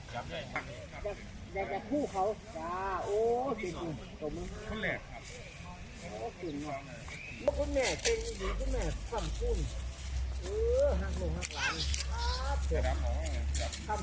อยากแบบภูเขาอ๋อสุดสุดตรงนั้น